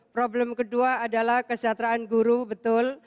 problem kedua adalah kesejahteraan guru betul